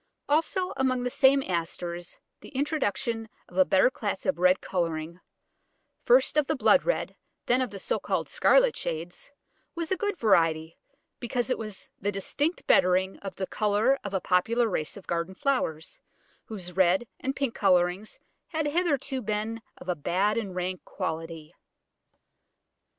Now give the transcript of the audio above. Also among the same Asters the introduction of a better class of red colouring, first of the blood red and then of the so called scarlet shades, was a good variety, because it was the distinct bettering of the colour of a popular race of garden flowers, whose red and pink colourings had hitherto been of a bad and rank quality.